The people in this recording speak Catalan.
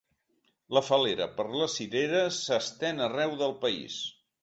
La fal·lera per les cireres s’estén arreu del país.